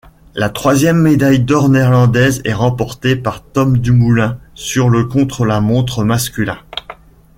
La troisième médaille d'or néerlandaise est remportée par Tom Dumoulin sur le contre-la-montre masculin.